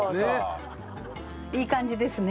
いい感じですね。